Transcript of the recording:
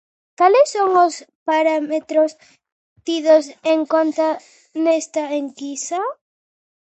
Cales son os parámetros tidos en conta nesta enquisa?